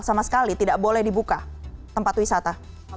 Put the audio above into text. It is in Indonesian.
sama sekali tidak boleh dibuka tempat wisata